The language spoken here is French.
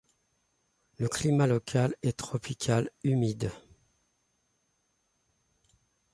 Le climat local est tropical humide.